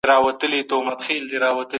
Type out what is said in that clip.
د انسان ژوند خورا سپیڅلی ارزښت لري.